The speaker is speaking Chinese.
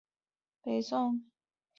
北宋襄邑人。